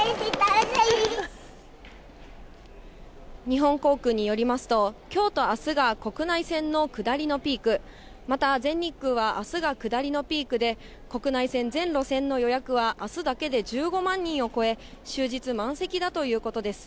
日本航空によりますと、きょうとあすが国内線の下りのピーク、また全日空はあすが下りのピークで、国内線全路線の予約はあすだけで１５万人を超え、終日満席だということです。